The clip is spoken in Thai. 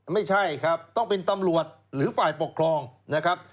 ไม่ใช่ครับต้องเป็นตำรวจหรือฝ่ายปกครองนะครับ